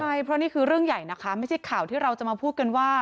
ใช่เพราะนี่คือเรื่องใหญ่นะคะไม่ใช่ข่าวที่เราจะมาพูดกันว่า